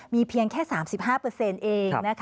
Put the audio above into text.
มีเพียงแค่๓๕เอง